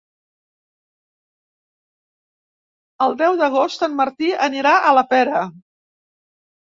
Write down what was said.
El deu d'agost en Martí anirà a la Pera.